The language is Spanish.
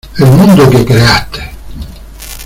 el mundo que creaste.